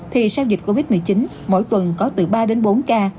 thì sau dịch covid một mươi chín mỗi tuần có từ ba đến bốn ca